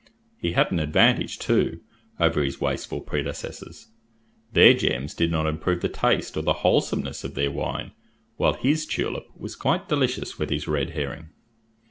He had an advantage, too, over his wasteful predecessors: their gems did not improve the taste or the wholesomeness of their wine, while his tulip was quite delicious with his red herring.